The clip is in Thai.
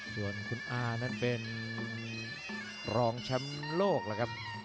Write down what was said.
ส่วนคุณอานั้นเป็นรองแชมป์โลกแล้วครับ